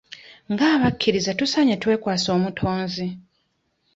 Nga abakkiriza tusaanye twekwase omutonzi.